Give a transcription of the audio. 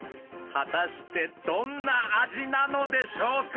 果たしてどんな味なのでしょうか。